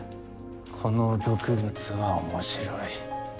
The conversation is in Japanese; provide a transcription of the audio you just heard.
この毒物は面白い。